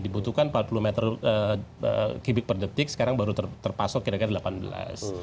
dibutuhkan empat puluh meter kubik per detik sekarang baru terpasok kira kira delapan belas